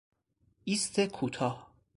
ایست کوتاه